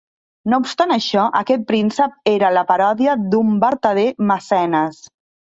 No obstant això, aquest príncep era la paròdia d'un vertader mecenes.